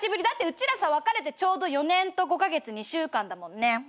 だってうちらさ別れてちょうど４年と５カ月２週間だもんね。